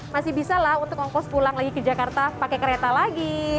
masih bisa lah untuk ngongkos pulang lagi ke jakarta pakai kereta lagi